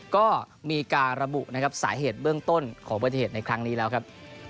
ก็มีการระบุนะครับสาเหตุเบื้องต้นของปฏิเหตุในครั้งนี้แล้วครับ